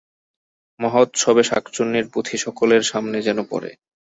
মহোৎসবে শাঁকচুন্নীর পুঁথি সকলের সামনে যেন পড়ে।